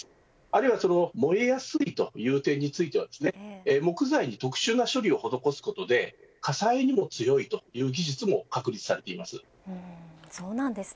あるいは燃えやすいという点については木材に特殊な処理を施すことで火災にも強いという技術も確立されています。